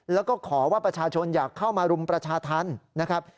แล้วก็ขอว่าประชาชนอยากเข้ามารุมประชาธรรมนะครับ